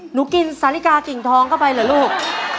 หนูกินสาลิกากิ่งทองเข้าไปเหรอลูก